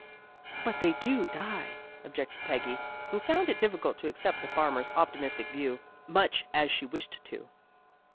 "But they do die," objected Peggy, who found it difficult to accept the farmer's optimistic view, much as she wished to.